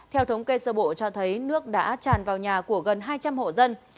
theo thống kê sơ bộ cho thấy nước đã tràn vào nhà của gần hai trăm linh hộ dân